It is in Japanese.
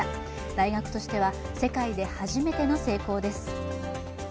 大学としては世界で初めての成功です。